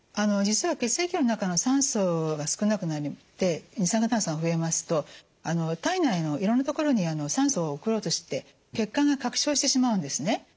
実は血液の中の酸素が少なくなって二酸化炭素が増えますと体内のいろんな所に酸素を送ろうとして血管が拡張してしまうんですね。